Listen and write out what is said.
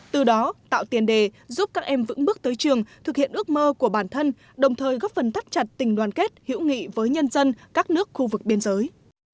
từ đó tạo tiền đề giúp các em vững bước tới trường thực hiện ước mơ của bản thân đồng thời góp phần thắt chặt tình đoàn kết hữu nghị với nhân dân các nước khu vực biên giới